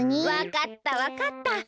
わかったわかった。